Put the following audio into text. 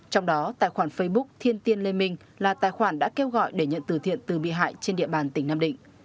trong đó tài khoản facebook thiên tiên lê minh là tài khoản đã kêu gọi để nhận từ thiện từ bị hại trên địa bàn tỉnh nam định